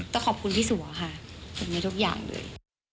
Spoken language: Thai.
ก็ขอบคุณพี่สัวค่ะสำหรับทุกอย่างด้วย